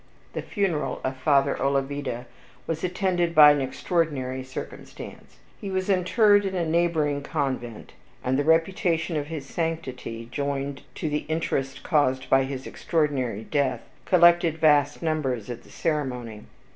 The funeral of Father Olavida was attended by an extraordinary circumstance. He was interred in a neighboring convent; and the reputation of his sanctity, joined to the interest caused by his extraordinary death, collected vast numbers at the ceremony.